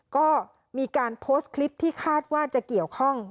ก็มีการโพสต์คลิปที่คาดว่าจะเกี่ยวข้อง